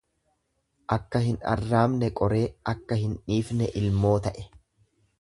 Akka hin arraabne qoree, akka hin dhiifne ilmoo ta'e.